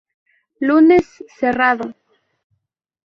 Lunes cerrado.